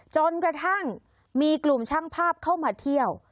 จนกระทั่งมีกลุ่มช่างภาพเข้ามาเที่ยว